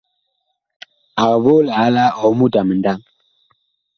Ag voo liala ɔɔ mut a mindaŋ.